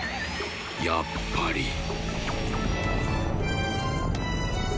やっぱり。